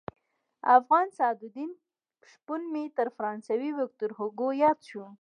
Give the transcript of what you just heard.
افغان سعدالدین شپون مې تر فرانسوي ویکتور هوګو ياد شو.